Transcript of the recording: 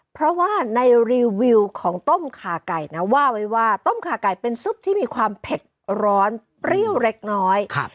เพราะว่าในรีวิวของต้มขาไก่นะว่าไว้ว่าต้มขาไก่เป็นซุปที่มีความเผ็ดร้อนเปรี้ยวเล็กน้อย